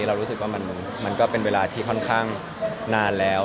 เรารู้สึกว่ามันก็เป็นเวลาที่ค่อนข้างนานแล้ว